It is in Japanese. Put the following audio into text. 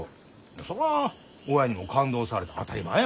そら親にも勘当されて当たり前やけん。